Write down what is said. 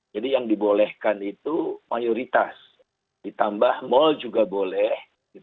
jadi yang dibolehkan itu mayoritas ditambah mal juga boleh